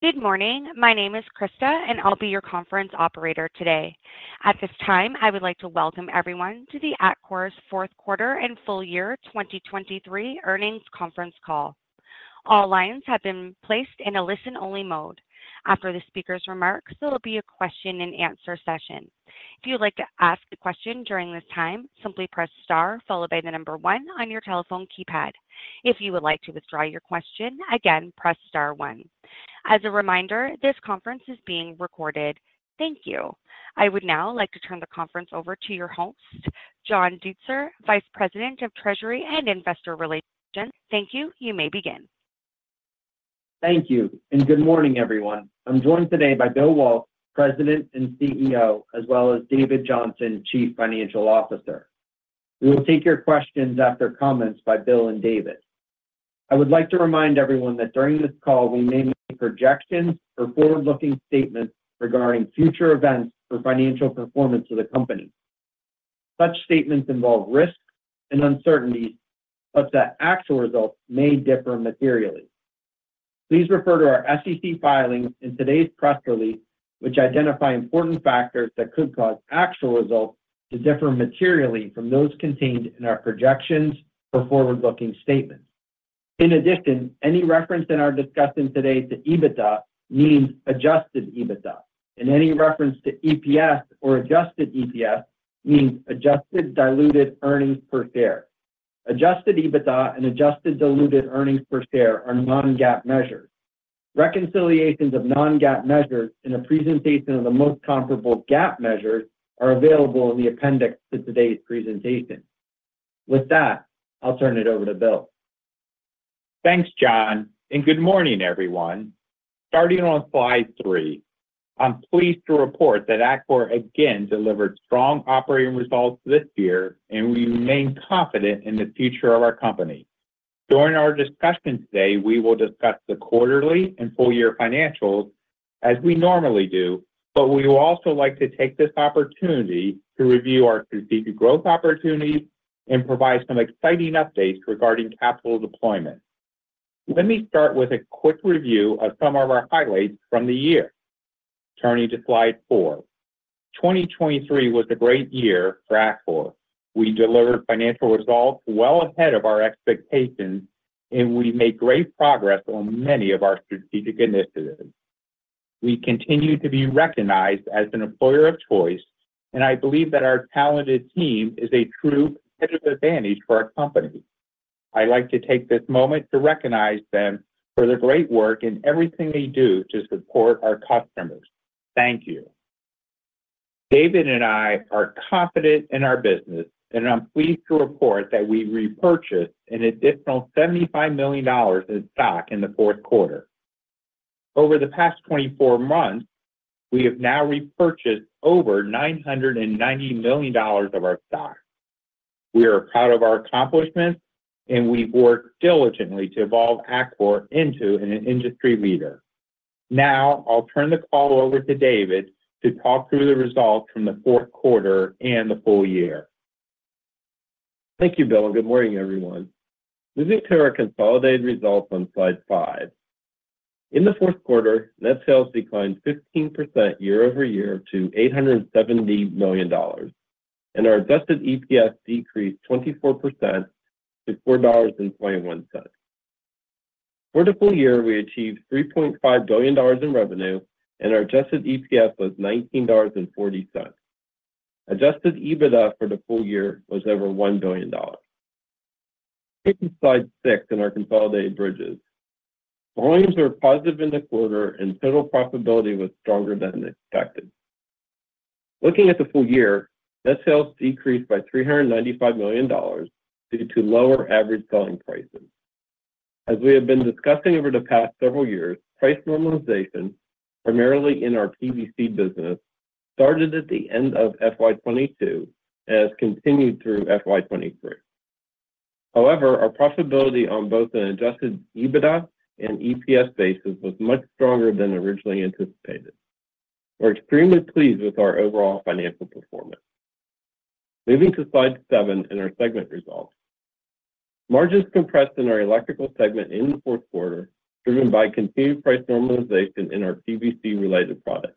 Good morning. My name is Krista, and I'll be your conference operator today. At this time, I would like to welcome everyone to the Atkore's Q4 and Full Year 2023 Earnings Conference call. All lines have been placed in a listen-only mode. After the speaker's remarks, there will be a question-and-answer session. If you'd like to ask a question during this time, simply press star followed by the number one on your telephone keypad. If you would like to withdraw your question, again, press star one. As a reminder, this conference is being recorded. Thank you. I would now like to turn the conference over to your host, John Deitzer, Vice President of Treasury and Investor Relations. Thank you. You may begin. Thank you, and good morning, everyone. I'm joined today by Bill Waltz, President and CEO, as well as David Johnson, Chief Financial Officer. We will take your questions after comments by Bill and David. I would like to remind everyone that during this call, we may make projections or forward-looking statements regarding future events or financial performance of the Company. Such statements involve risks and uncertainties, but the actual results may differ materially. Please refer to our SEC filings in today's press release, which identify important factors that could cause actual results to differ materially from those contained in our projections for forward-looking statements. In addition, any reference in our discussion today to EBITDA means adjusted EBITDA, and any reference to EPS or adjusted EPS means adjusted diluted earnings per share. Adjusted EBITDA and adjusted diluted earnings per share are non-GAAP measures. Reconciliations of non-GAAP measures and a presentation of the most comparable GAAP measures are available in the appendix to today's presentation. With that, I'll turn it over to Bill. Thanks, John, and good morning, everyone. Starting on slide three, I'm pleased to report that Atkore again delivered strong operating results this year, and we remain confident in the future of our company. During our discussion today, we will discuss the quarterly and full-year financials as we normally do, but we would also like to take this opportunity to review our strategic growth opportunities and provide some exciting updates regarding capital deployment. Let me start with a quick review of some of our highlights from the year. Turning to slide four, 2023 was a great year for Atkore. We delivered financial results well ahead of our expectations, and we made great progress on many of our strategic initiatives. We continue to be recognized as an employer of choice, and I believe that our talented team is a true competitive advantage for our company. I'd like to take this moment to recognize them for their great work and everything they do to support our customers. Thank you. David and I are confident in our business, and I'm pleased to report that we repurchased an additional $75 million in stock in the fourth quarter. Over the past 24 months, we have now repurchased over $990 million of our stock. We are proud of our accomplishments, and we've worked diligently to evolve Atkore into an industry leader. Now, I'll turn the call over to David to talk through the results from the Q4 and the full year. Thank you, Bill, and good morning, everyone. Moving to our consolidated results on slide five. In the Q4, net sales declined 15% year-over-year to $870 million, and our Adjusted EPS decreased 24% to $4.21. For the full year, we achieved $3.5 billion in revenue, and our Adjusted EPS was $19.40. Adjusted EBITDA for the full year was over $1 billion. Turning to slide six and our consolidated bridges. Volumes were positive in the quarter, and total profitability was stronger than expected. Looking at the full year, net sales decreased by $395 million due to lower average selling prices. As we have been discussing over the past several years, price normalization, primarily in our PVC business, started at the end of FY 2022 and has continued through FY 2023. However, our profitability on both an adjusted EBITDA and EPS basis was much stronger than originally anticipated. We're extremely pleased with our overall financial performance. Moving to slide seven and our segment results. Margins compressed in our Electrical segment in the fourth quarter, driven by continued price normalization in our PVC-related products.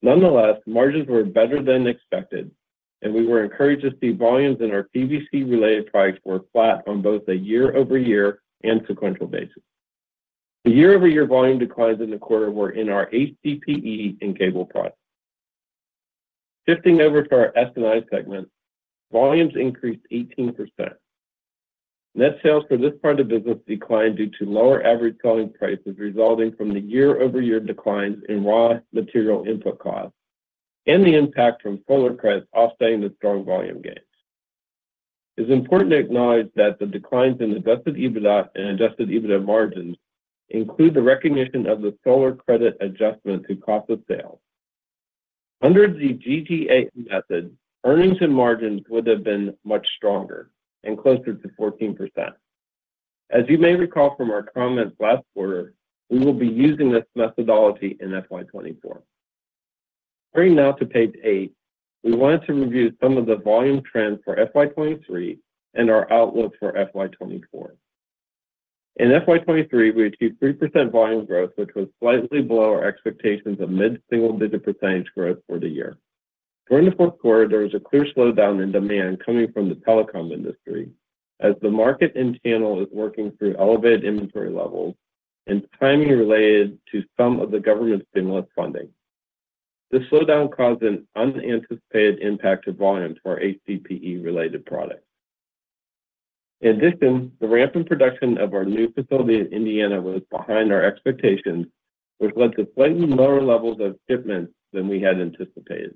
Nonetheless, margins were better than expected, and we were encouraged to see volumes in our PVC-related products were flat on both a year-over-year and sequential basis. The year-over-year volume declines in the quarter were in our HDPE and cable products. Shifting over to our S&I segment, volumes increased 18%. Net sales for this part of the business declined due to lower average selling prices, resulting from the year-over-year declines in raw material input costs and the impact from solar credits offsetting the strong volume gains. It's important to acknowledge that the declines in Adjusted EBITDA and Adjusted EBITDA margins include the recognition of the solar credit adjustment to cost of sales. Under the GTA method, earnings and margins would have been much stronger and closer to 14%. As you may recall from our comments last quarter, we will be using this methodology in FY 2024. Turning now to page eight, we wanted to review some of the volume trends for FY 2023 and our outlook for FY 2024. In FY 2023, we achieved 3% volume growth, which was slightly below our expectations of mid-single-digit percentage growth for the year. During the Q4, there was a clear slowdown in demand coming from the telecom industry as the market and channel is working through elevated inventory levels and timing related to some of the government stimulus funding. This slowdown caused an unanticipated impact to volume for HDPE-related products. In addition, the ramp in production of our new facility in Indiana was behind our expectations, which led to slightly lower levels of shipments than we had anticipated.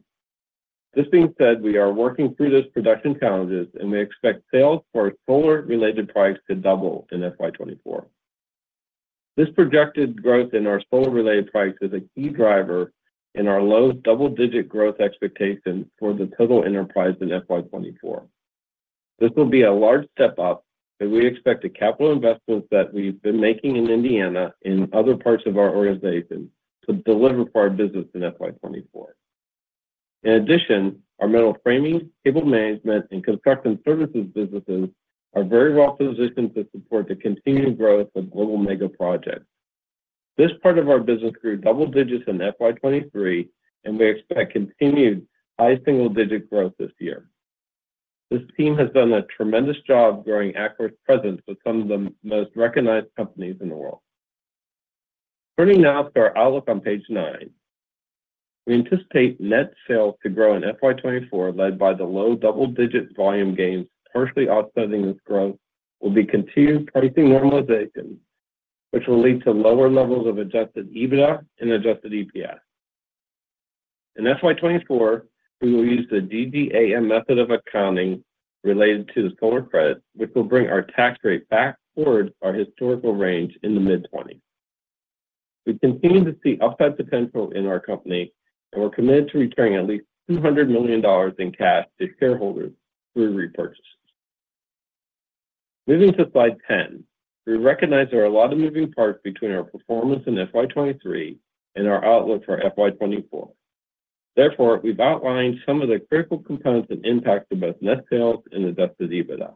This being said, we are working through those production challenges, and we expect sales for solar-related products to double in FY 2024. This projected growth in our solar-related products is a key driver in our low double-digit growth expectation for the total enterprise in FY 2024. This will be a large step up, and we expect the capital investments that we've been making in Indiana and other parts of our organization to deliver for our business in FY 2024. In addition, our metal framing, cable management, and construction services businesses are very well positioned to support the continued growth of global mega projects. This part of our business grew double digits in FY 2023, and we expect continued high single-digit growth this year. This team has done a tremendous job growing Atkore's presence with some of the most recognized companies in the world. Turning now to our outlook on page nine, we anticipate net sales to grow in FY 2024, led by the low double-digit volume gains. Partially offsetting this growth will be continued pricing normalization, which will lead to lower levels of Adjusted EBITDA and Adjusted EPS. In FY 2024, we will use the GTA method of accounting related to the solar credits, which will bring our tax rate back toward our historical range in the mid-20s. We continue to see upside potential in our company, and we're committed to returning at least $200 million in cash to shareholders through repurchases. Moving to slide 10, we recognize there are a lot of moving parts between our performance in FY 2023 and our outlook for FY 2024. Therefore, we've outlined some of the critical components that impact both net sales and Adjusted EBITDA.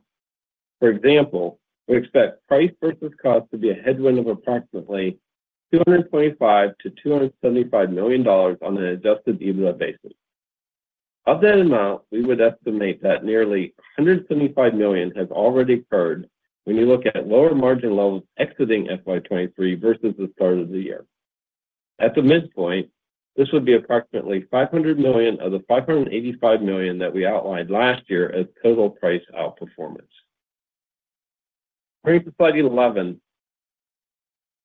For example, we expect price versus cost to be a headwind of approximately $225 million-$275 million on an Adjusted EBITDA basis. Of that amount, we would estimate that nearly $175 million has already occurred when you look at lower margin levels exiting FY 2023 versus the start of the year. At the midpoint, this would be approximately $500 million of the $585 million that we outlined last year as total price outperformance. Turning to slide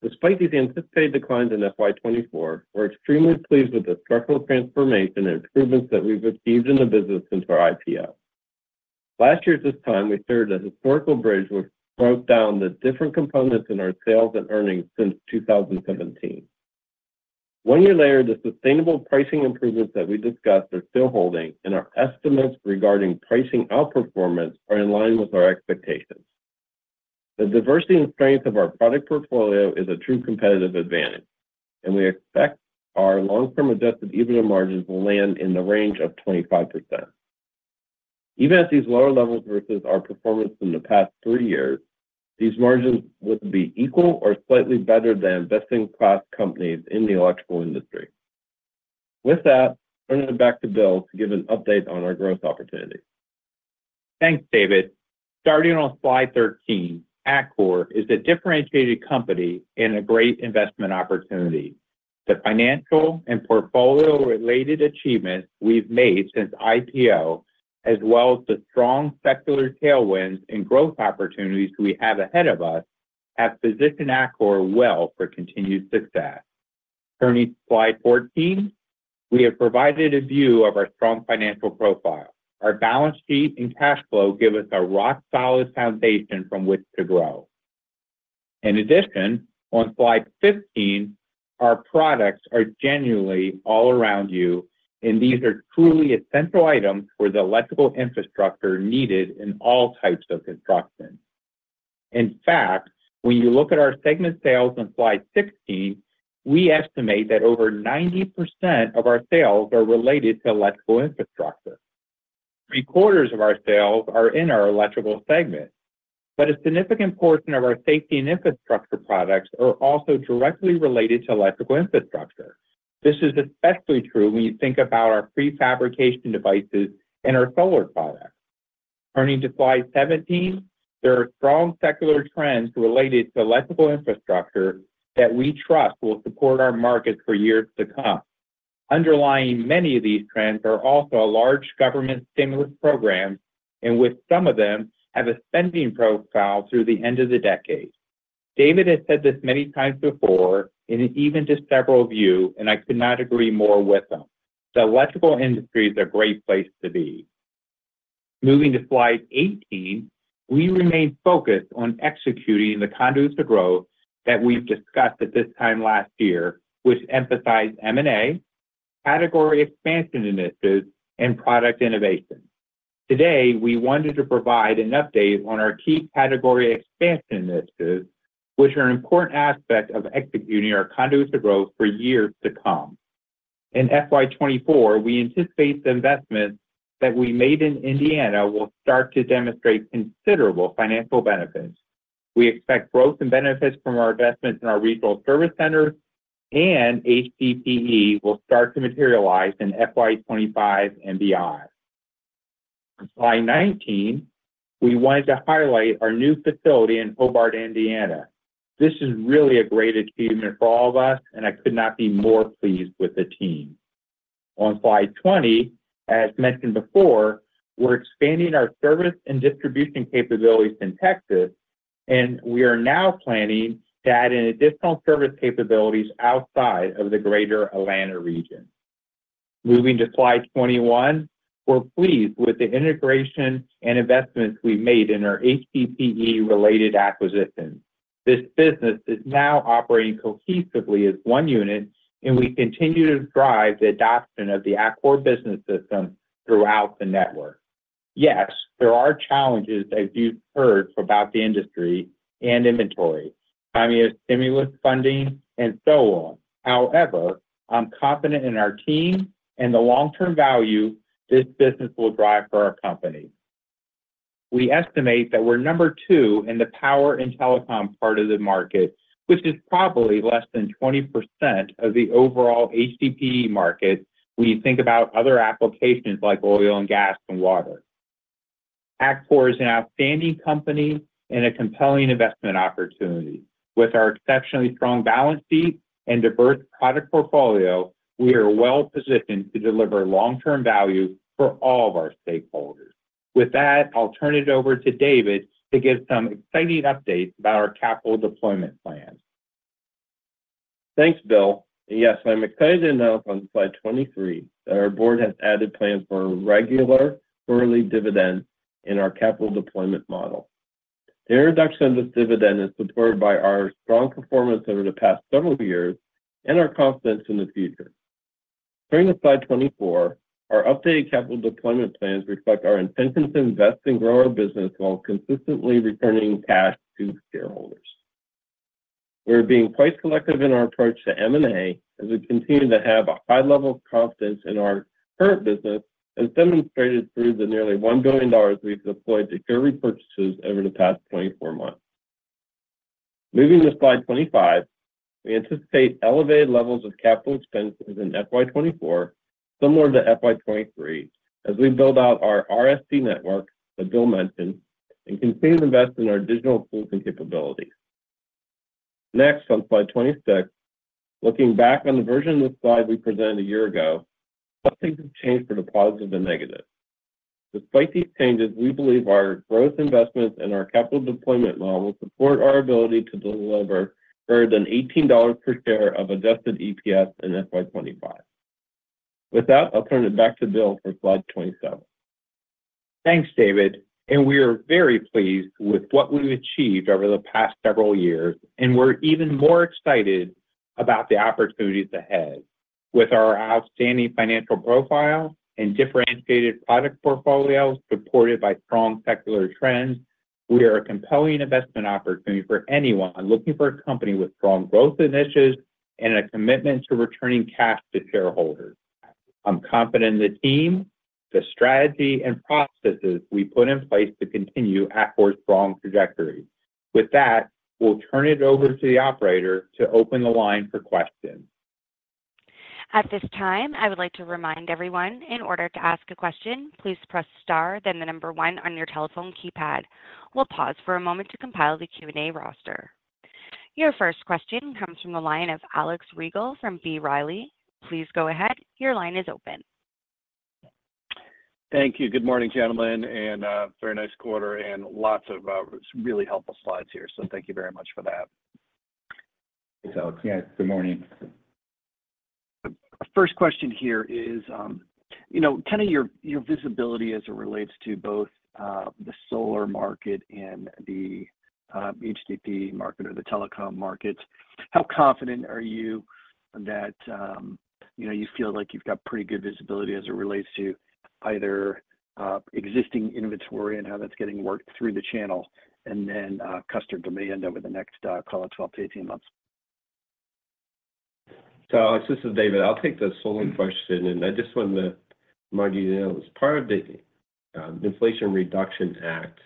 11, despite these anticipated declines in FY 2024, we're extremely pleased with the structural transformation and improvements that we've achieved in the business since our IPO. Last year at this time, we shared a historical bridge, which broke down the different components in our sales and earnings since 2017. One year later, the sustainable pricing improvements that we discussed are still holding, and our estimates regarding pricing outperformance are in line with our expectations. The diversity and strength of our product portfolio is a true competitive advantage, and we expect our long-term adjusted EBITDA margins will land in the range of 25%. Even at these lower levels versus our performance in the past three years, these margins would be equal or slightly better than best-in-class companies in the electrical industry. With that, turning it back to Bill to give an update on our growth opportunities. Thanks, David. Starting on slide 13, Atkore is a differentiated company and a great investment opportunity. The financial and portfolio-related achievements we've made since IPO, as well as the strong secular tailwinds and growth opportunities we have ahead of us, have positioned Atkore well for continued success. Turning to slide 14, we have provided a view of our strong financial profile. Our balance sheet and cash flow give us a rock-solid foundation from which to grow. In addition, on slide 15, our products are genuinely all around you, and these are truly essential items for the electrical infrastructure needed in all types of construction. In fact, when you look at our segment sales on slide 16, we estimate that over 90% of our sales are related to electrical infrastructure. Three-quarters of our sales are in our Electrical segment, but a significant portion of our safety and infrastructure products are also directly related to electrical infrastructure. This is especially true when you think about our prefabrication devices and our solar products. Turning to slide 17, there are strong secular trends related to electrical infrastructure that we trust will support our markets for years to come. Underlying many of these trends are also a large government stimulus program, and with some of them have a spending profile through the end of the decade. David has said this many times before, and even just several of you, and I could not agree more with him, "The electrical industry is a great place to be." Moving to slide 18, we remain focused on executing the conduits to growth that we've discussed at this time last year, which emphasize M&A, category expansion initiatives, and product innovation.... Today, we wanted to provide an update on our key category expansion initiatives, which are an important aspect of executing our conduits of growth for years to come. In FY 2024, we anticipate the investments that we made in Indiana will start to demonstrate considerable financial benefits. We expect growth and benefits from our investments in our regional service centers, and HDPE will start to materialize in FY 2025 and beyond. On slide 19, we wanted to highlight our new facility in Hobart, Indiana. This is really a great achievement for all of us, and I could not be more pleased with the team. On slide 20, as mentioned before, we're expanding our service and distribution capabilities in Texas, and we are now planning to add in additional service capabilities outside of the greater Atlanta region. Moving to slide 21, we're pleased with the integration and investments we've made in our HDPE-related acquisitions. This business is now operating cohesively as one unit, and we continue to drive the adoption of the Atkore business system throughout the network. Yes, there are challenges, as you've heard, about the industry and inventory, timing of stimulus funding, and so on. However, I'm confident in our team and the long-term value this business will drive for our company. We estimate that we're number two in the power and telecom part of the market, which is probably less than 20% of the overall HDPE market, when you think about other applications like oil and gas and water. Atkore is an outstanding company and a compelling investment opportunity. With our exceptionally strong balance sheet and diverse product portfolio, we are well-positioned to deliver long-term value for all of our stakeholders. With that, I'll turn it over to David to give some exciting updates about our capital deployment plan. Thanks, Bill. Yes, I'm excited to announce on slide 23 that our board has added plans for a regular quarterly dividend in our capital deployment model. The introduction of this dividend is supported by our strong performance over the past several years and our confidence in the future. Turning to slide 24, our updated capital deployment plans reflect our intentions to invest and grow our business while consistently returning cash to shareholders. We're being quite selective in our approach to M&A as we continue to have a high level of confidence in our current business, as demonstrated through the nearly $1 billion we've deployed to share repurchases over the past 24 months. Moving to slide 25, we anticipate elevated levels of capital expenses in FY 2024, similar to FY 2023, as we build out our RSC network that Bill mentioned and continue to invest in our digital tools and capabilities. Next, on slide 26, looking back on the version of this slide we presented a year ago, some things have changed for the positive and negative. Despite these changes, we believe our growth investments and our capital deployment model will support our ability to deliver greater than $18 per share of adjusted EPS in FY 2025. With that, I'll turn it back to Bill for slide 27. Thanks, David. We are very pleased with what we've achieved over the past several years, and we're even more excited about the opportunities ahead. With our outstanding financial profile and differentiated product portfolio, supported by strong secular trends, we are a compelling investment opportunity for anyone looking for a company with strong growth initiatives and a commitment to returning cash to shareholders. I'm confident in the team, the strategy, and processes we put in place to continue Atkore's strong trajectory. With that, we'll turn it over to the operator to open the line for questions. At this time, I would like to remind everyone, in order to ask a question, please press star, then the number one on your telephone keypad. We'll pause for a moment to compile the Q&A roster. Your first question comes from the line of Alex Rygiel from B. Riley. Please go ahead. Your line is open. Thank you. Good morning, gentlemen, and very nice quarter, and lots of really helpful slides here. Thank you very much for that. Thanks, Alex. Yeah, good morning. First question here is, you know, kind of your, your visibility as it relates to both, the solar market and the, HDPE market or the telecom markets. How confident are you that, you know, you feel like you've got pretty good visibility as it relates to either, existing inventory and how that's getting worked through the channel, and then, customer demand over the next, call it, 12-18 months? So Alex, this is David. I'll take the solar question, and I just want to remind you that as part of the Inflation Reduction Act,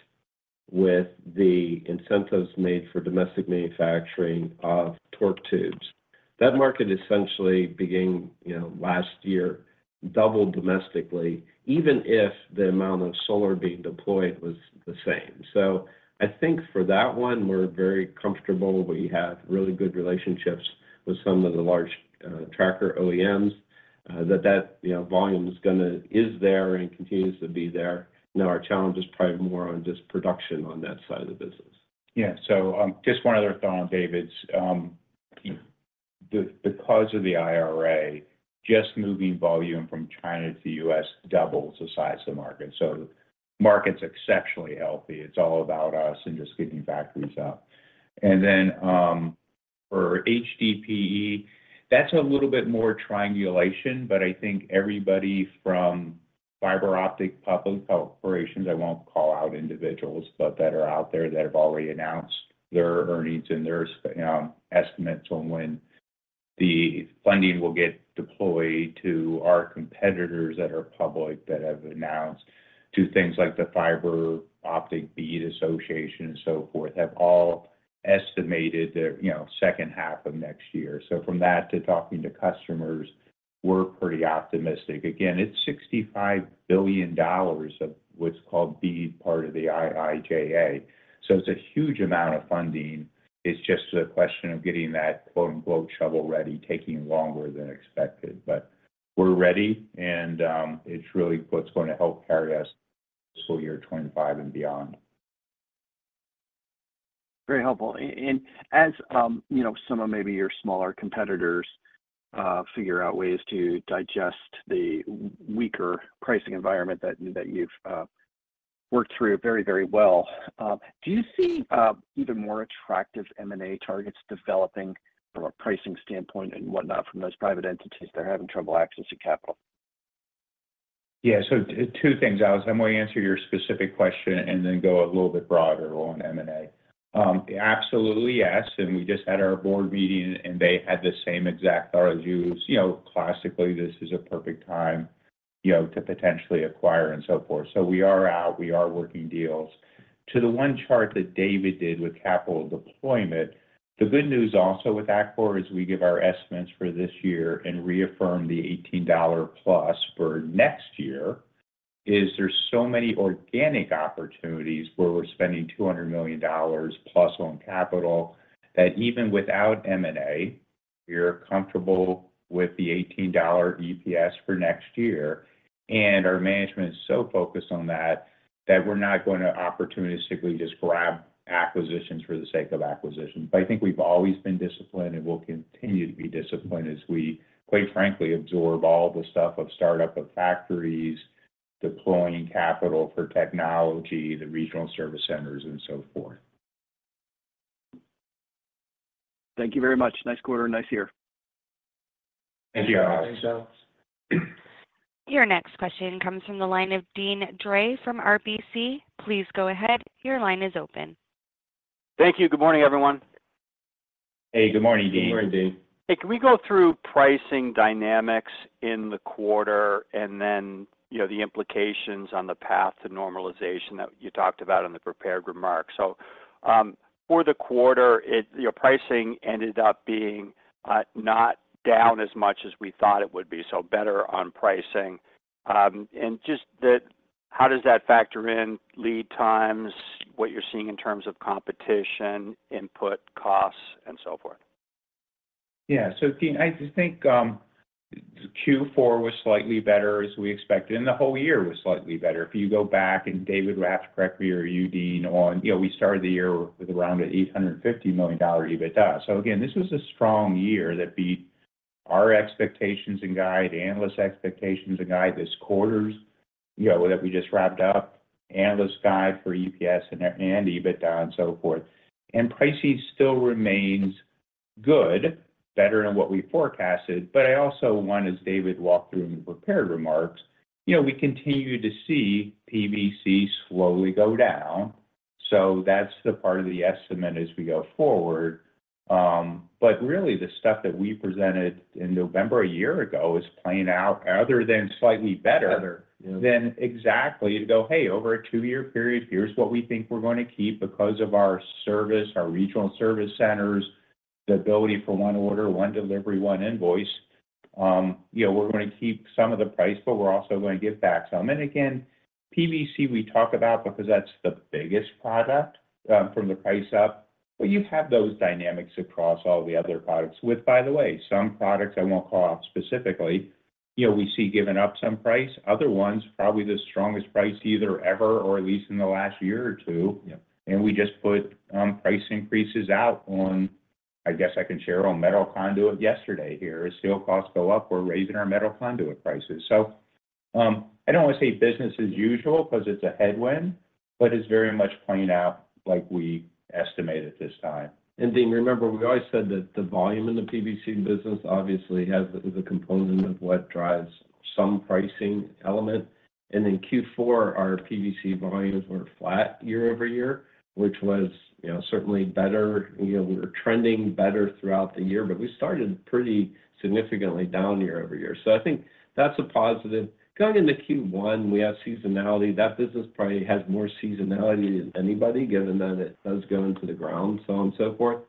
with the incentives made for domestic manufacturing of Torque Tubes, that market essentially began, you know, last year, doubled domestically, even if the amount of solar being deployed was the same. So I think for that one, we're very comfortable. We have really good relationships with some of the large tracker OEMs, that you know, volume is gonna... is there and continues to be there. Now, our challenge is probably more on just production on that side of the business. Yeah. So, just one other thought on David's. Because of the IRA, just moving volume from China to the U.S. doubles the size of the market. So the market's exceptionally healthy. It's all about us and just getting factories up. And then, for HDPE, that's a little bit more triangulation, but I think everybody from fiber optic public corporations, I won't call out individuals, but that are out there that have already announced their earnings and their estimates on when the funding will get deployed, to our competitors that are public that have announced, to things like the Fiber Broadband Association and so forth, have all estimated that, you know, second half of next year. So from that to talking to customers, we're pretty optimistic. Again, it's $65 billion of what's called BEAD, part of the IIJA. It's a huge amount of funding. It's just a question of getting that quote, unquote, "shovel ready" taking longer than expected. But we're ready, and it's really what's going to help carry us school year 25 and beyond. Very helpful. And as, you know, some of maybe your smaller competitors figure out ways to digest the weaker pricing environment that you've worked through very, very well, do you see even more attractive M&A targets developing from a pricing standpoint and whatnot, from those private entities that are having trouble accessing capital? Yeah. So two things, Alex. I'm going to answer your specific question and then go a little bit broader on M&A. Absolutely, yes, and we just had our board meeting, and they had the same exact thought as you. So, you know, classically, this is a perfect time, you know, to potentially acquire and so forth. So we are out, we are working deals. To the one chart that David did with capital deployment, the good news also with Atkore is we give our estimates for this year and reaffirm the $18+ for next year, is there's so many organic opportunities where we're spending $200 million+ on capital, that even without M&A, we're comfortable with the $18 EPS for next year. And our management is so focused on that, that we're not going to opportunistically just grab acquisitions for the sake of acquisitions. But I think we've always been disciplined and will continue to be disciplined as we, quite frankly, absorb all the stuff of start-up of factories, deploying capital for technology, the regional service centers, and so forth. Thank you very much. Nice quarter, nice year. Thank you, Alex. Thanks, Alex. Your next question comes from the line of Deane Dray from RBC. Please go ahead. Your line is open. Thank you. Good morning, everyone. Hey, good morning, Deane. Good morning, Deane. Hey, can we go through pricing dynamics in the quarter, and then, you know, the implications on the path to normalization that you talked about in the prepared remarks? So, for the quarter, your pricing ended up being not down as much as we thought it would be, so better on pricing. And just that, how does that factor in lead times, what you're seeing in terms of competition, input costs, and so forth? Yeah. So, Deane, I just think Q4 was slightly better as we expected, and the whole year was slightly better. If you go back, and David will have to correct me or you, Deane, on... You know, we started the year with around $850 million EBITDA. So again, this was a strong year that beat our expectations and guide, analyst expectations and guide, this quarter's, you know, that we just wrapped up, analyst guide for EPS and, and EBITDA and so forth. And pricing still remains good, better than what we forecasted, but I also want, as David walked through in the prepared remarks, you know, we continue to see PVC slowly go down, so that's the part of the estimate as we go forward. But really, the stuff that we presented in November a year ago is playing out, other than slightly better- Other, yeah Than exactly to go, "Hey, over a two year period, here's what we think we're going to keep because of our service, our regional service centers, the ability for 1 order, 1 delivery, 1 invoice. You know, we're going to keep some of the price, but we're also going to give back some." And again, PVC, we talk about because that's the biggest product, from the price up, but you have those dynamics across all the other products with, by the way, some products, I won't call out specifically, you know, we see giving up some price. Other ones, probably the strongest price either ever or at least in the last year or two. Yeah. We just put price increases out on, I guess I can share on metal conduit yesterday here. As steel costs go up, we're raising our metal conduit prices. So, I don't want to say business as usual because it's a headwind, but it's very much playing out like we estimated this time. Dean, remember, we always said that the volume in the PVC business obviously has the component of what drives some pricing element. In Q4, our PVC volumes were flat year-over-year, which was, you know, certainly better. You know, we were trending better throughout the year, but we started pretty significantly down year-over-year. I think that's a positive. Going into Q1, we have seasonality. That business probably has more seasonality than anybody, given that it does go into the ground, so on, so forth.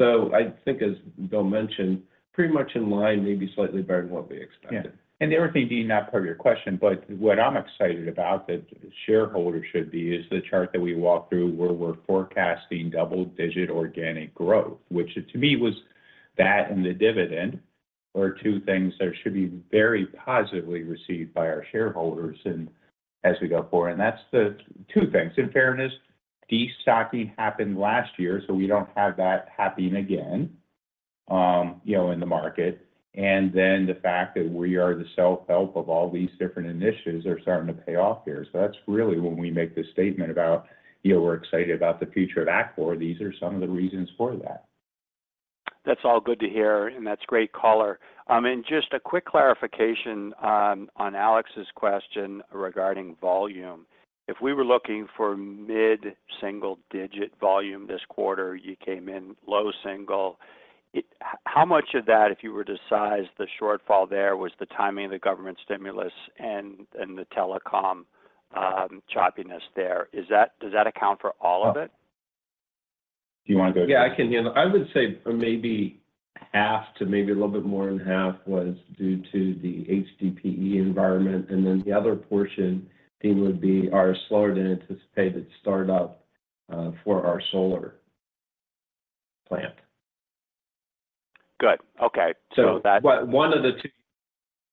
I think, as Bill mentioned, pretty much in line, maybe slightly better than what we expected. Yeah. And everything being not part of your question, but what I'm excited about that shareholders should be is the chart that we walked through where we're forecasting double-digit organic growth, which to me was that and the dividend are two things that should be very positively received by our shareholders and as we go forward. And that's the two things. In fairness, destocking happened last year, so we don't have that happening again... you know, in the market, and then the fact that we are the self-help of all these different initiatives are starting to pay off here. So that's really when we make the statement about, you know, we're excited about the future of Atkore. These are some of the reasons for that. That's all good to hear, and that's great color. And just a quick clarification on Alex's question regarding volume. If we were looking for mid-single digit volume this quarter, you came in low single. How much of that, if you were to size the shortfall there, was the timing of the government stimulus and the telecom choppiness there? Does that account for all of it? Do you want to go? Yeah, I can handle. I would say maybe half to maybe a little bit more than half was due to the HDPE environment. And then the other portion, Dean, would be our slower than anticipated start-up for our solar plant. Good. Okay, so that- One of the two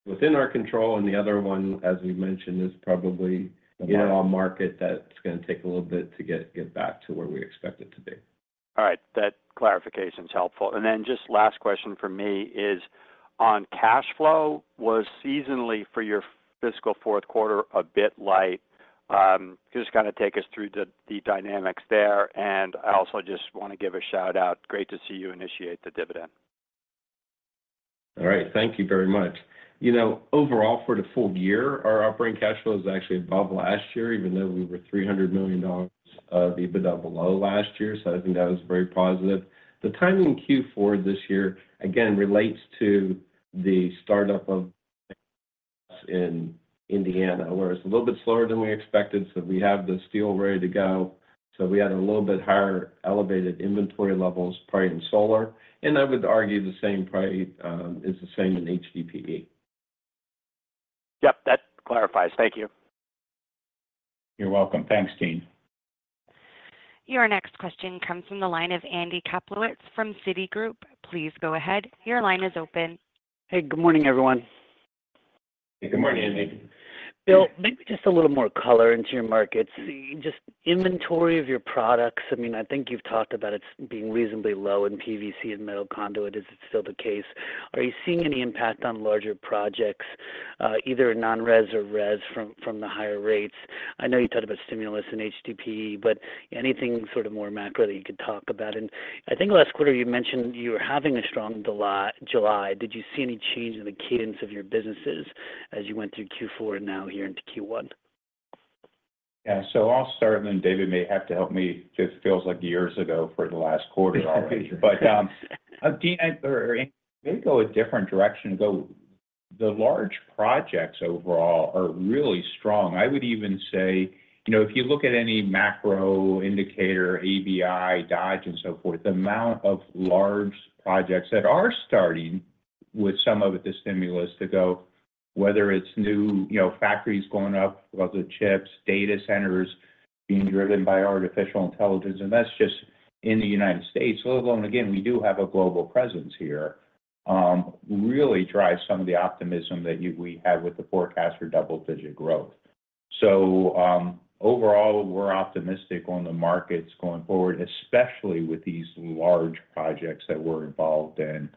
within our control, and the other one, as we mentioned, is probably- Yeah... the overall market that's gonna take a little bit to get back to where we expect it to be. All right, that clarification is helpful. Then just last question from me is on cash flow. Was seasonally for your fiscal fourth quarter a bit light? Just kind of take us through the dynamics there, and I also just want to give a shout-out. Great to see you initiate the dividend. All right, thank you very much. You know, overall, for the full year, our operating cash flow is actually above last year, even though we were $300 million of EBITDA below last year, so I think that was very positive. The timing in Q4 this year, again, relates to the start-up of in Indiana, where it's a little bit slower than we expected, so we have the steel ready to go. So we had a little bit higher elevated inventory levels, probably in solar, and I would argue the same, probably, is the same in HDPE. Yep, that clarifies. Thank you. You're welcome. Thanks, Deane. Your next question comes from the line of Andy Kaplowitz from Citigroup. Please go ahead. Your line is open. Hey, good morning, everyone. Good morning, Andy. Hey. Bill, maybe just a little more color into your markets. Just inventory of your products, I mean, I think you've talked about it being reasonably low in PVC and metal conduit. Is it still the case? Are you seeing any impact on larger projects, either non-res or res from the higher rates? I know you talked about stimulus in HDPE, but anything sort of more macro that you could talk about? And I think last quarter you mentioned you were having a strong July. Did you see any change in the cadence of your businesses as you went through Q4 and now here into Q1? Yeah. So I'll start, and then David may have to help me. It feels like years ago for the last quarter already. But, Deane, or Andy, may go a different direction, though. The large projects overall are really strong. I would even say, you know, if you look at any macro indicator, ABI, Dodge, and so forth, the amount of large projects that are starting with some of the stimulus to go, whether it's new, you know, factories going up, whether chips, data centers being driven by artificial intelligence, and that's just in the United States. Let alone, again, we do have a global presence here, really drives some of the optimism that we had with the forecast for double-digit growth. So, overall, we're optimistic on the markets going forward, especially with these large projects that we're involved in.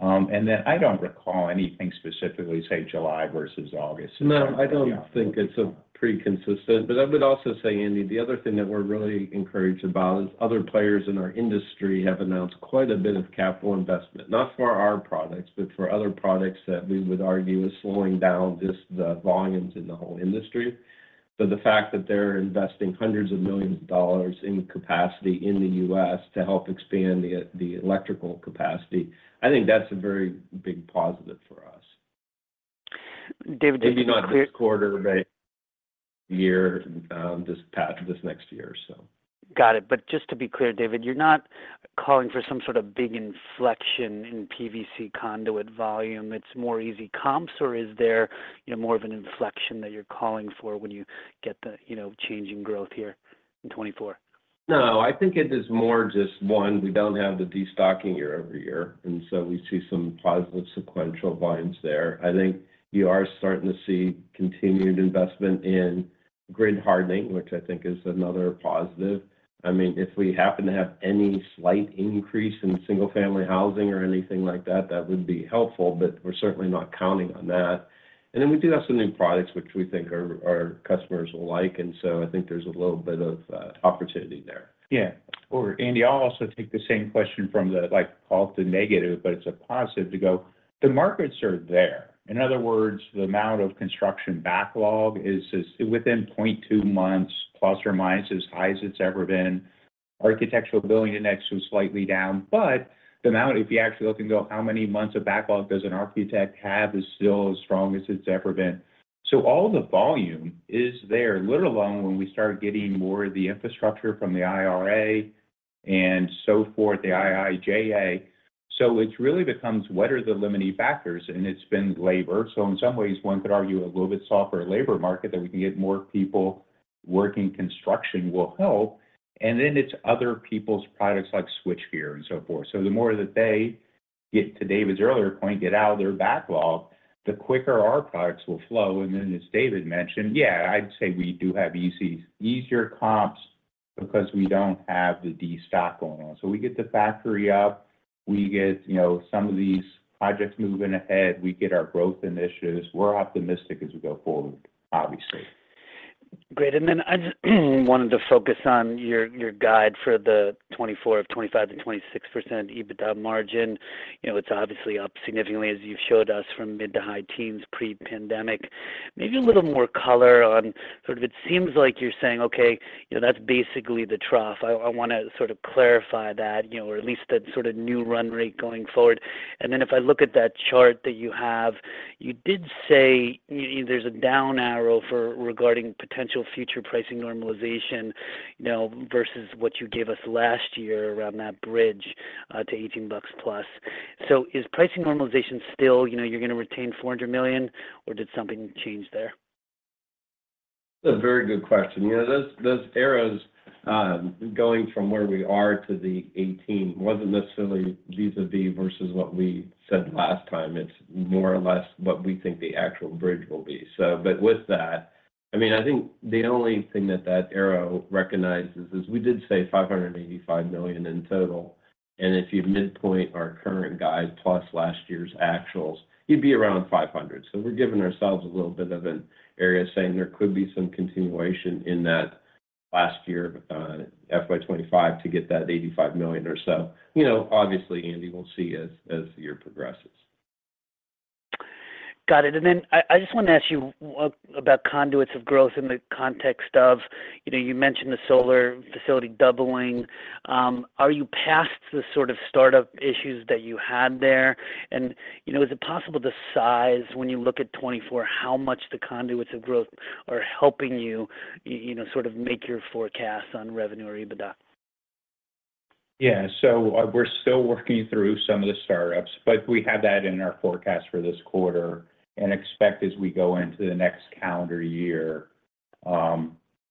And then I don't recall anything specifically, say, July versus August. No, I don't think it's at all consistent. But I would also say, Andy, the other thing that we're really encouraged about is other players in our industry have announced quite a bit of capital investment, not for our products, but for other products that we would argue is slowing down just the volumes in the whole industry. But the fact that they're investing $hundreds of millions in capacity in the U.S. to help expand the electrical capacity, I think that's a very big positive for us. David- Maybe not this quarter, but year, this next year, so. Got it. But just to be clear, David, you're not calling for some sort of big inflection in PVC conduit volume. It's more easy comps, or is there more of an inflection that you're calling for when you get the, you know, change in growth here in 2024? No, I think it is more just, one, we don't have the destocking year-over-year, and so we see some positive sequential volumes there. I think you are starting to see continued investment in grid hardening, which I think is another positive. I mean, if we happen to have any slight increase in single-family housing or anything like that, that would be helpful, but we're certainly not counting on that. And then we do have some new products which we think our customers will like, and so I think there's a little bit of opportunity there. Yeah. Or Andy, I'll also take the same question from the, like, call it the negative, but it's a positive to go. The markets are there. In other words, the amount of construction backlog is within 0.2 months, ±, as high as it's ever been. Architectural Billing Index was slightly down, but the amount, if you actually look and go, how many months of backlog does an architect have, is still as strong as it's ever been. So all the volume is there, let alone when we start getting more of the infrastructure from the IRA and so forth, the IIJA. So it really becomes what are the limiting factors? And it's been labor. So in some ways, one could argue a little bit softer labor market, that we can get more people working construction will help, and then it's other people's products like switchgear and so forth. So the more that they get, to David's earlier point, get out of their backlog, the quicker our products will flow. And then, as David mentioned, yeah, I'd say we do have easier comps because we don't have the destock going on. So we get the factory up, we get, you know, some of these projects moving ahead, we get our growth initiatives. We're optimistic as we go forward, obviously. Great. And then I just wanted to focus on your, your guide for the 24 of 25 to 26% EBITDA margin. You know, it's obviously up significantly as you've showed us from mid- to high teens pre-pandemic. Maybe a little more color on sort of it seems like you're saying, "Okay, you know, that's basically the trough." I want to sort of clarify that, you know, or at least that sort of new run rate going forward. And then if I look at that chart that you have, you did say there's a down arrow for regarding potential future pricing normalization, you know, versus what you gave us last year around that bridge to $18 plus. So is pricing normalization still, you know, you're going to retain $400 million, or did something change there? That's a very good question. You know, those arrows going from where we are to the 18 wasn't necessarily vis-a-vis versus what we said last time. It's more or less what we think the actual bridge will be. So but with that, I mean, I think the only thing that that arrow recognizes is we did say $585 million in total, and if you midpoint our current guide plus last year's actuals, you'd be around $500 million. So we're giving ourselves a little bit of an area, saying there could be some continuation in that last year, FY 2025 to get that $85 million or so. You know, obviously, Andy, we'll see as the year progresses. Got it. And then I just want to ask you about conduits of growth in the context of, you know, you mentioned the solar facility doubling. Are you past the sort of start-up issues that you had there? And, you know, is it possible to size when you look at 2024, how much the conduits of growth are helping you, you know, sort of make your forecast on revenue or EBITDA? Yeah. So we're still working through some of the start-ups, but we have that in our forecast for this quarter and expect as we go into the next calendar year,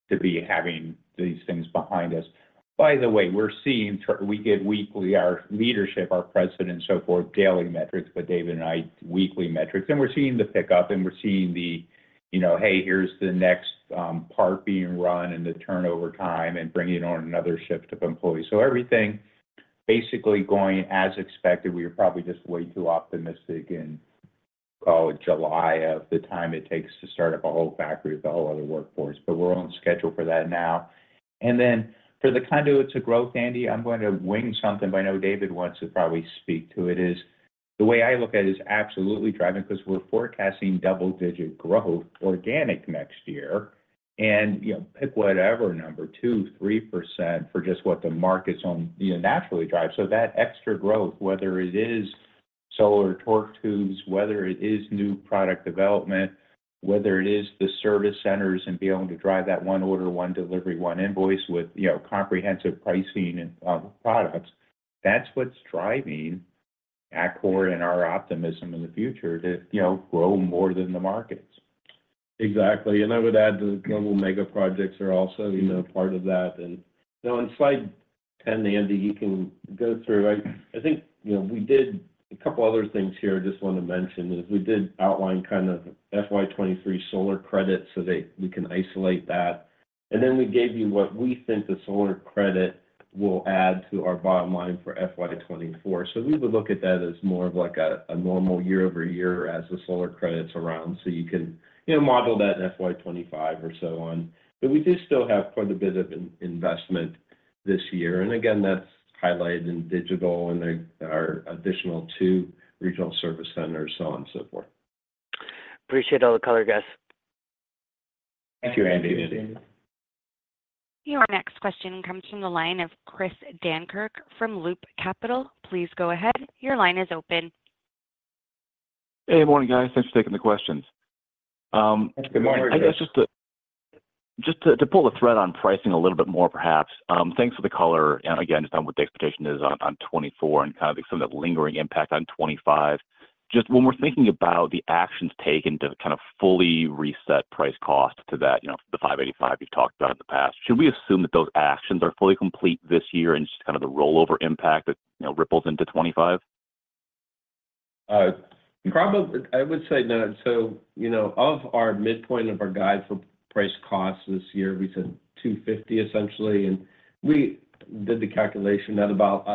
to be having these things behind us. By the way, we're seeing. We get weekly, our leadership, our president, so forth, daily metrics, but David and I, weekly metrics. And we're seeing the pick-up, and we're seeing the, you know, hey, here's the next, part being run, and the turnover time, and bringing on another shift of employees. So everything basically going as expected. We were probably just way too optimistic in, oh, July of the time it takes to start up a whole factory with a whole other workforce, but we're on schedule for that now. Then for the conduits of growth, Andy, I'm going to wing something, but I know David wants to probably speak to it. Is the way I look at it is absolutely driving because we're forecasting double-digit growth organic next year. And, you know, pick whatever number, 2, 3% for just what the market's on, you know, naturally drive. So that extra growth, whether it is solar torque tubes, whether it is new product development, whether it is the service centers and being able to drive that one order, one delivery, one invoice with, you know, comprehensive pricing and products, that's what's driving Atkore and our optimism in the future to, you know, grow more than the markets. Exactly. I would add the global mega projects are also, you know, part of that. You know, on slide 10, Andy, you can go through. I think, you know, we did a couple other things here I just want to mention, is we did outline kind of FY 2023 solar credits so that we can isolate that. And then we gave you what we think the solar credit will add to our bottom line for FY 2024. So we would look at that as more of like a normal year-over-year as the solar credits around. So you can, you know, model that in FY 2025 or so on. But we do still have quite a bit of investment this year, and again, that's highlighted in digital, and there are additional two regional service centers, so on and so forth. Appreciate all the color, guys. Thank you, Andy. Your next question comes from the line of Chris Dankert from Loop Capital. Please go ahead. Your line is open. Hey, morning, guys. Thanks for taking the questions. Good morning. I guess just to pull the thread on pricing a little bit more, perhaps, thanks for the color and again, just on what the expectation is on 2024 and kind of some of that lingering impact on 2025. Just when we're thinking about the actions taken to kind of fully reset price cost to that, you know, the $585 you've talked about in the past, should we assume that those actions are fully complete this year and just kind of the rollover impact that, you know, ripples into 2025? Probably, I would say no. So, you know, of our midpoint of our guide for price costs this year, we said $250, essentially, and we did the calculation that about,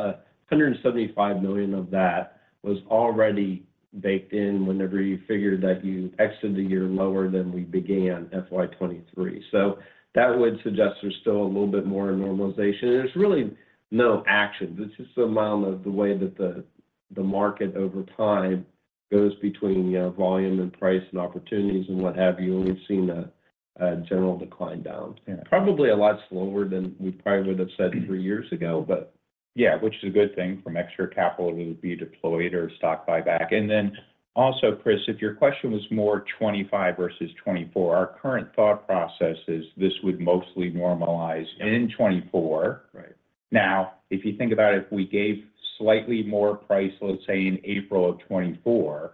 $175 million of that was already baked in whenever you figured that you exited the year lower than we began FY 2023. So that would suggest there's still a little bit more normalization, and there's really no action. It's just a matter of the way that the, the market over time goes between, volume and price and opportunities and what have you, and we've seen a, a general decline down. Yeah. Probably a lot slower than we probably would have said three years ago, but- Yeah, which is a good thing from extra capital would be deployed or stock buyback. And then also, Chris, if your question was more 2025 versus 2024, our current thought process is this would mostly normalize in 2024. Right. Now, if you think about it, if we gave slightly more price, let's say, in April of 2024,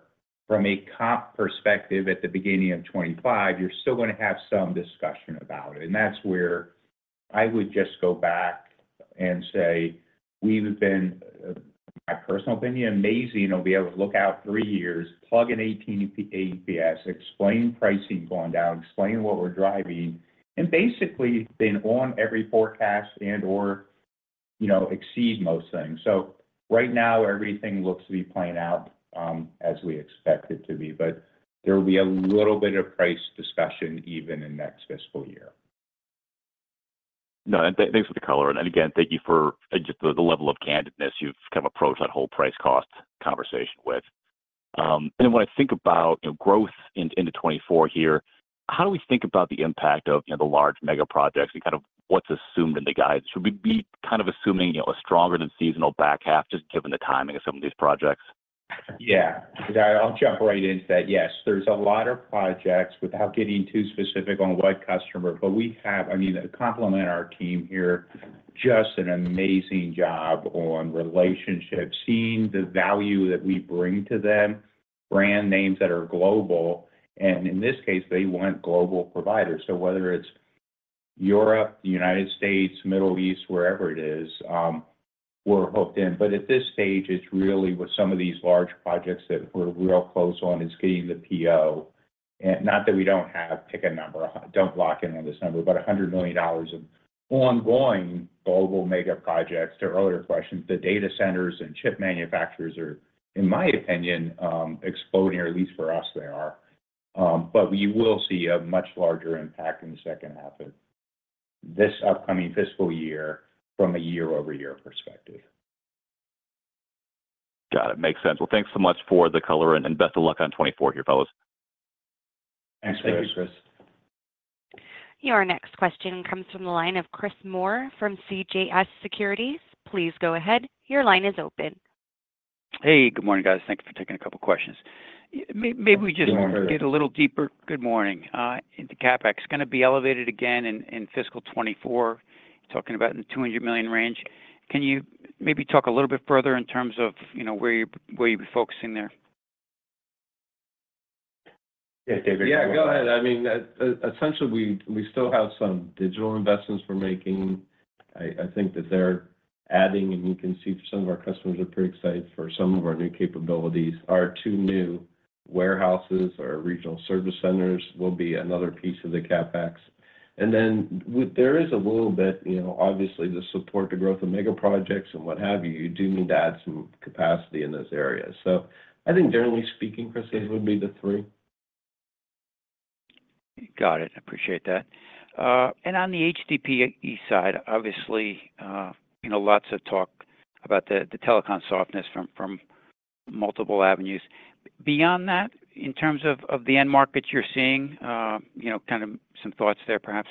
from a comp perspective, at the beginning of 2025, you're still going to have some discussion about it. That's where I would just go back and say we've been, my personal opinion, amazing to be able to look out three years, plug in 18 AEPS, explain pricing going down, explain what we're driving, and basically been on every forecast and, or, you know, exceed most things. So right now, everything looks to be playing out as we expect it to be, but there will be a little bit of price discussion even in next fiscal year. No, and thanks for the color, and again, thank you for just the level of candidness you've kind of approached that whole price cost conversation with. And when I think about, you know, growth into 2024 here, how do we think about the impact of, you know, the large mega projects and kind of what's assumed in the guide? Should we be kind of assuming, you know, a stronger than seasonal back half, just given the timing of some of these projects? Yeah. I, I'll jump right into that. Yes, there's a lot of projects, without getting too specific on what customer, but we have - I mean, to compliment our team here, just an amazing job on relationships, seeing the value that we bring to them, brand names that are global, and in this case, they want global providers. So whether it's Europe, the United States, Middle East, wherever it is, we're hooked in. But at this stage, it's really with some of these large projects that we're real close on, it's getting the PO. And not that we don't have, pick a number, don't lock in on this number, but $100 million of ongoing global mega projects. To earlier questions, the data centers and chip manufacturers are, in my opinion, exploding, or at least for us, they are. But we will see a much larger impact in the second half of this upcoming fiscal year from a year-over-year perspective. Got it. Makes sense. Well, thanks so much for the color, and best of luck on 2024, here, fellas. Thanks, Chris. Thank you, Chris. Your next question comes from the line of Chris Moore from CJS Securities. Please go ahead. Your line is open. Hey, good morning, guys. Thank you for taking a couple of questions. Maybe we just- Good morning, Chris. -get a little deeper... Good morning. Into CapEx. Gonna be elevated again in fiscal 2024, talking about in the $200 million range. Can you maybe talk a little bit further in terms of, you know, where you're, where you'll be focusing there? Yeah, David. Yeah, go ahead. I mean, essentially, we still have some digital investments we're making. I think that they're adding, and you can see some of our customers are pretty excited for some of our new capabilities. Our two new warehouses, our regional service centers, will be another piece of the CapEx. And then, there is a little bit, you know, obviously, the support to growth of mega projects and what have you, you do need to add some capacity in those areas. So I think generally speaking, Chris, these would be the three. Got it. Appreciate that. And on the HDPE side, obviously, you know, lots of talk about the telecom softness from multiple avenues. Beyond that, in terms of the end markets you're seeing, you know, kind of some thoughts there, perhaps?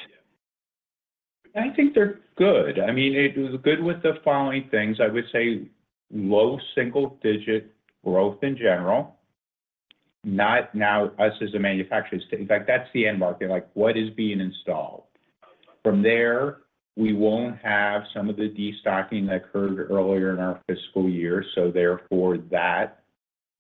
I think they're good. I mean, it was good with the following things. I would say low single-digit growth in general, not for us as a manufacturer. In fact, that's the end market, like, what is being installed? From there, we won't have some of the destocking that occurred earlier in our fiscal year, so therefore, that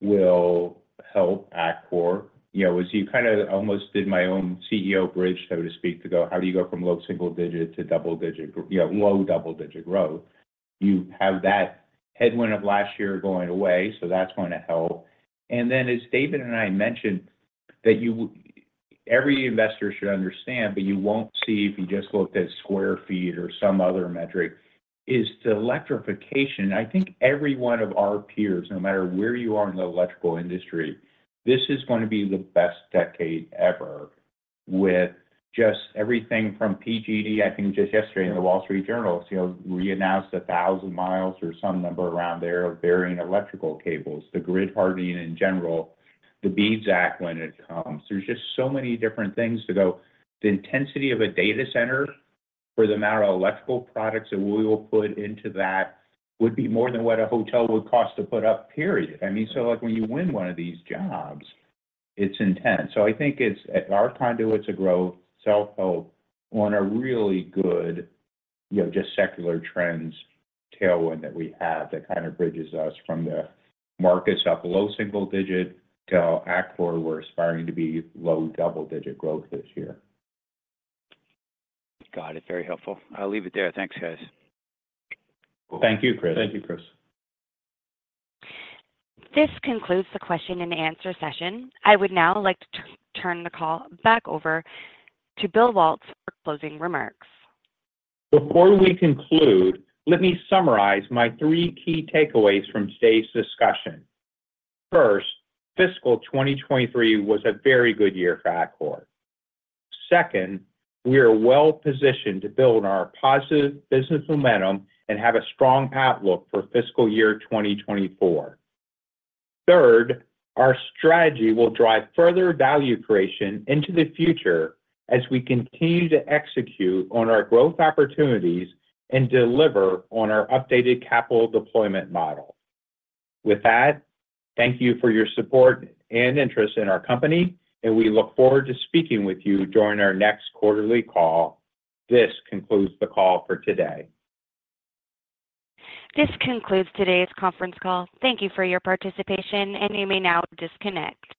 will help Atkore. You know, as you kind of almost did my own CEO bridge, so to speak, to go, "How do you go from low single digit to double digit, you know, low double-digit growth?" You have that headwind of last year going away, so that's going to help. And then, as David and I mentioned, that every investor should understand, but you won't see if you just looked at square feet or some other metric, is the electrification. I think every one of our peers, no matter where you are in the electrical industry, this is gonna be the best decade ever, with just everything from PG&E. I think just yesterday in The Wall Street Journal, you know, we announced 1,000 miles or some number around there of burying electrical cables, the grid hardening in general, the BEAD Act, when it comes. There's just so many different things to go. The intensity of a data center for the amount of electrical products that we will put into that would be more than what a hotel would cost to put up, period. I mean, so, like, when you win one of these jobs, it's intense. So I think it's our conduits of growth, self-help on a really good, you know, just secular trends tailwind that we have that kind of bridges us from the markets up low single-digit to Atkore. We're aspiring to be low double-digit growth this year. Got it. Very helpful. I'll leave it there. Thanks, guys. Thank you, Chris. Thank you, Chris. This concludes the question-and-answer session. I would now like to turn the call back over to Bill Waltz for closing remarks. Before we conclude, let me summarize my three key takeaways from today's discussion. First, fiscal 2023 was a very good year for Atkore. Second, we are well-positioned to build on our positive business momentum and have a strong outlook for fiscal year 2024. Third, our strategy will drive further value creation into the future as we continue to execute on our growth opportunities and deliver on our updated capital deployment model. With that, thank you for your support and interest in our company, and we look forward to speaking with you during our next quarterly call. This concludes the call for today. This concludes today's conference call. Thank you for your participation, and you may now disconnect.